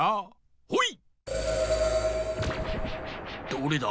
どれだ？